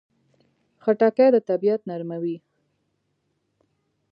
خټکی د طبعیت نرموي.